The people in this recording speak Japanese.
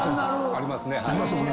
ありますね。